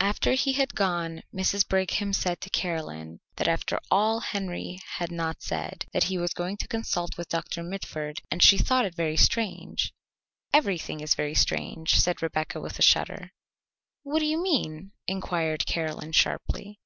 After he had gone Mrs. Brigham said to Caroline that after all Henry had not said that he was going to consult with Doctor Mitford, and she thought it very strange. "Everything is very strange," said Rebecca with a shudder. "What do you mean?" inquired Caroline sharply.